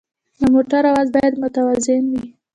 د موټر اواز باید متوازن وي.